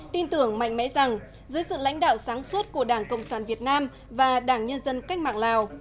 tin tưởng mạnh mẽ rằng dưới sự lãnh đạo sáng suốt của đảng cộng sản việt nam và đảng nhân dân cách mạng lào